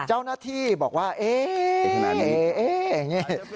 เจ้าหน้าที่บอกว่าเอ๊ะอย่างนี้